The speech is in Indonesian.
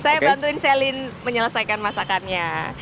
saya bantuin celin menyelesaikan masakannya